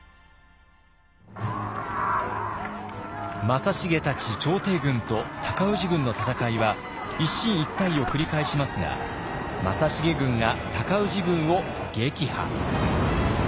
正成たち朝廷軍と尊氏軍の戦いは一進一退を繰り返しますが正成軍が尊氏軍を撃破。